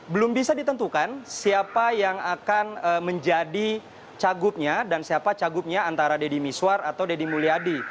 belum bisa ditentukan siapa yang akan menjadi cagupnya dan siapa cagupnya antara deddy miswar atau deddy mulyadi